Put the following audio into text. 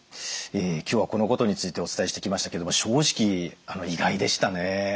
今日はこのことについてお伝えしてきましたけども正直意外でしたね。